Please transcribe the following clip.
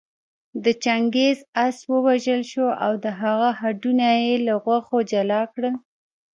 د چنګېز آس ووژل شو او د هغه هډونه يې له غوښو جلا کړل